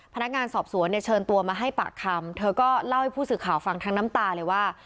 พนักงานสอบสวนเนี่ยเชิญตัวมาให้ปากคำเธอก็เล่าให้ผู้สื่อข่าวฟังทั้งน้ำตาเลยว่า